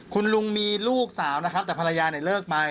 คุณลุงมีลูกสาวนะครับแต่ภรรยาเนี่ยเลิกไป